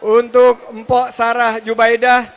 untuk mpok sarah jubaidah